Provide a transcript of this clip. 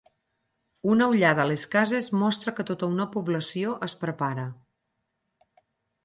Una ullada a les cases mostra que tota una població es prepara.